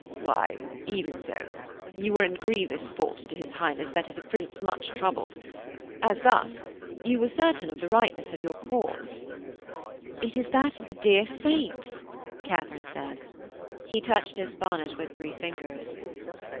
'Why, even so, you were in grievous fault to his Highness that is a prince much troubled. As thus: You were certain of the rightness of your cause.' 'It is that of the dear saints,' Katharine said.... He touched his bonnet with three fingers.